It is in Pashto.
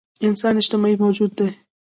انسان اجتماعي موجود دی.